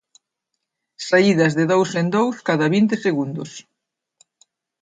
Saídas de dous en dous cada vinte segundos.